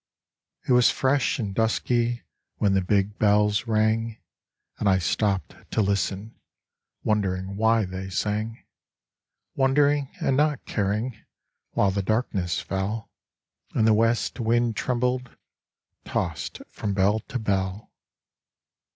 It was fresh and dusky When the big bells rang, And I stopped to listen, Wondering why they sang, Wondering and not caring, While the darkness fell, And the west wind trembled Tossed from bell to bell.